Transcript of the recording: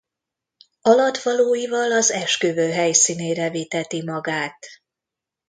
Alattvalóival az esküvő helyszínére viteti magát.